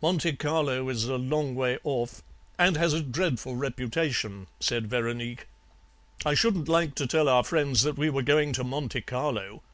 "'Monte Carlo is a long way off, and has a dreadful reputation,' said Veronique; 'I shouldn't like to tell our friends that we were going to Monte Carlo.